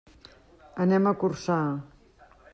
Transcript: Anem a Corçà.